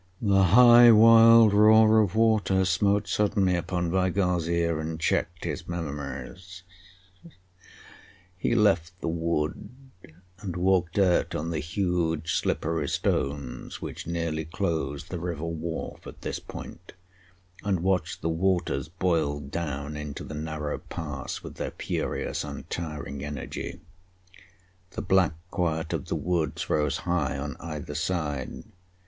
The high wild roar of water smote suddenly upon Weigall's ear and checked his memories. He left the wood and walked out on the huge slippery stones which nearly close the River Wharfe at this point, and watched the waters boil down into the narrow pass with their furious untiring energy. The black quiet of the woods rose high on either side.